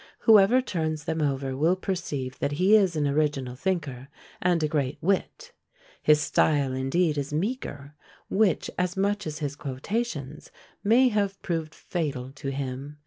Whoever turns them over will perceive that he is an original thinker, and a great wit; his style, indeed, is meagre, which, as much as his quotations, may have proved fatal to him.